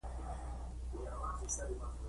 جون یو عجیب سړی و چې چا نه پېژانده